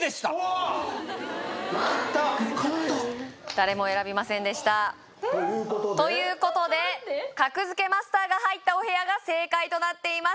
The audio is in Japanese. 誰も選びませんでしたということで？ということで格付けマスターが入ったお部屋が正解となっています